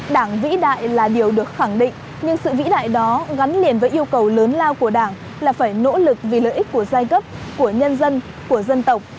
đảng vĩ đại là điều được khẳng định nhưng sự vĩ đại đó gắn liền với yêu cầu lớn lao của đảng là phải nỗ lực vì lợi ích của giai cấp của nhân dân của dân tộc